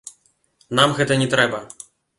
Нам гэта не трэба.